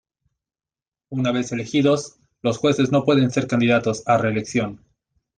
Una vez elegidos, los jueces no pueden ser candidatos a reelección.